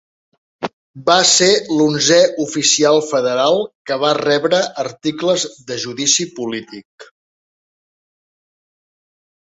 Va ser l'onzè oficial federal que va rebre articles de judici polític.